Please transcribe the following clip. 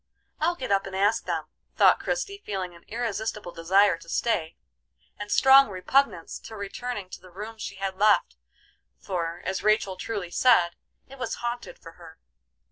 I'll get up and ask them," thought Christie, feeling an irresistible desire to stay, and strong repugnance to returning to the room she had left, for, as Rachel truly said, it was haunted for her.